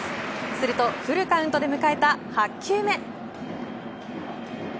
するとフルカウントで迎えた８球目。